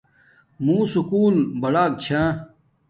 مُو سکُول بڑک چھا